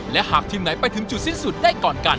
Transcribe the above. และหากทีมไหนไปถึงจุดสิ้นสุดได้ก่อนกัน